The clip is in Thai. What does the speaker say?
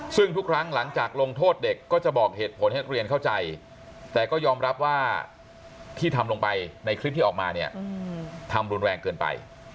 ซึ่งทุกครั้งหลังจากลงโทษเด็กก็จะบอกเหตุผลให้นักเรียนเข้าใจแต่ก็ยอมรับว่าที่ทำลงไปในคลิปที่ออกมาเนี่ยทำรุนแรงเกินไป